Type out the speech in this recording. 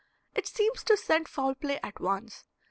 It seems to scent foul play at once.